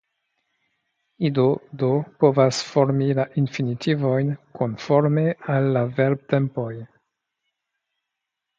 Ido do povas formi la infinitivojn konforme al la verbtempoj.